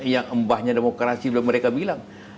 yang mbahnya demokrasi belum mereka bilang